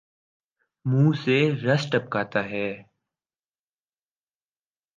منہ سے رس ٹپکتا ہے